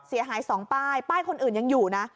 เสียหาย๒ป้ายป้ายคนอื่นยังอยู่นะ